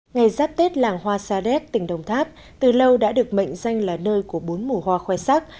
ngày giáp tết làng hoa sa đéc tỉnh đồng tháp từ lâu đã được mệnh danh là nơi của bốn mùa hoa khoe sắc